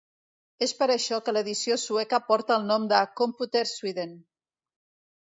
És per això que l'edició sueca porta el nom de Computer Sweden.